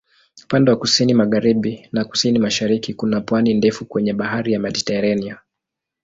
Upande wa kusini-magharibi na kusini-mashariki kuna pwani ndefu kwenye Bahari ya Mediteranea.